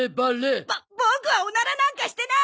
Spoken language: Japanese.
ボボクはオナラなんかしてなーい！